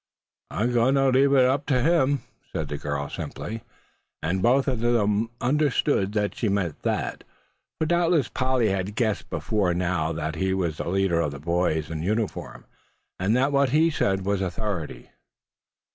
"I'm gwine tuh leave hit tuh him," said the girl simply, and both of them understood that she meant Thad; for doubtless Polly had guessed before now that he was the leader of the boys in uniform, and that what he said was authority.